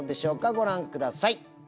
ご覧ください。